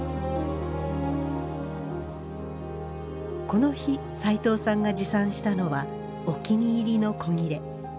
この日齋藤さんが持参したのはお気に入りの古裂。